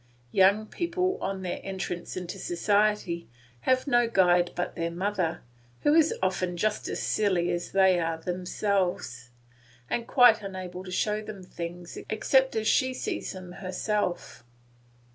Young people on their entrance into society have no guide but their mother, who is often just as silly as they are themselves, and quite unable to show them things except as she sees them herself.